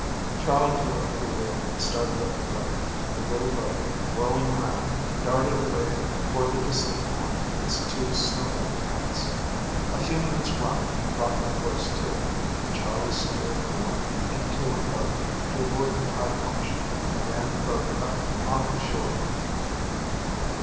Charley threw over the wheel and started up the motor, and the little boat, whirling around, darted away for the distant point with its two snow white tents. A few minutes' run brought them close to it, and Charley steered round into a cove, to avoid the tide wash, and ran the boat up on the shore.